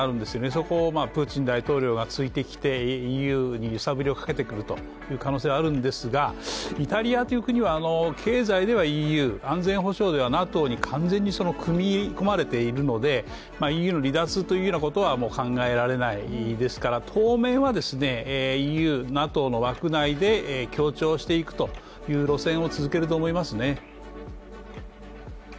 そこをプーチン大統領が突いてきてＥＵに揺さぶりをかけてくる可能性があるんですが、イタリアという国は経済ではＥＵ、安全保障ではＮＡＴＯに完全に組み込まれているのでＥＵの離脱というようなことは考えられないですから、当面は、ＥＵ、ＮＡＴＯの枠内で協調していく路線を続けると思いますね。